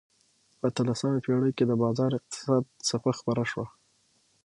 په اتلسمه پېړۍ کې د بازار اقتصاد څپه خپره شوه.